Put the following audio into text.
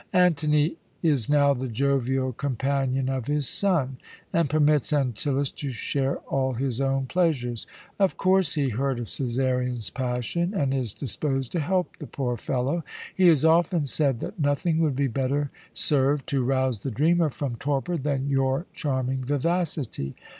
"Antony is now the jovial companion of his son, and permits Antyllus to share all his own pleasures. Of course, he heard of Cæsarion's passion, and is disposed to help the poor fellow. He has often said that nothing would better serve to rouse the dreamer from torpor than your charming vivacity.